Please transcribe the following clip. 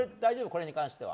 これに関しては。